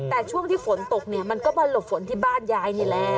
แต่ช่วงที่ฝนตกเนี่ยมันก็มาหลบฝนที่บ้านยายนี่แหละ